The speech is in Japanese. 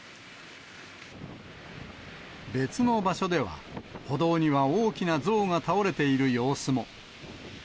別の場所では、歩道には大きな像が倒れている様子も。